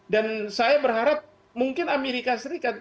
dan saya berharap mungkin amerika serikat